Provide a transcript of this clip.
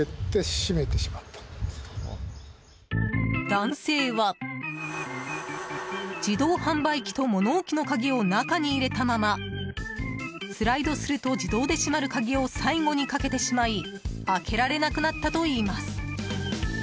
男性は自動販売機と物置の鍵を中に入れたままスライドすると自動で閉まる鍵を最後にかけてしまい開けられなくなったといいます。